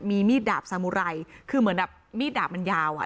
มีมีดดาบสามุไรคือเหมือนแบบมีดดาบมันยาวอ่ะ